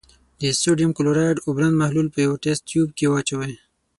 د سوډیم کلورایډ اوبلن محلول په یوه تست تیوب کې واچوئ.